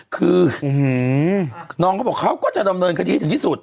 คือน้องเขาบอกเขาก็จะดำเนินคดีให้ถึงที่สุด